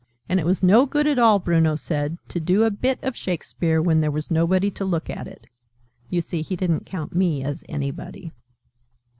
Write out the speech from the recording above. And it was no good at all, Bruno said, to do a 'Bit' of Shakespeare when there was nobody to look at it (you see he didn't count me as anybody).